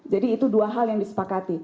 itu dua hal yang disepakati